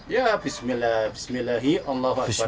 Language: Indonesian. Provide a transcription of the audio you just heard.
ya bismillah bismillahirrahmanirrahim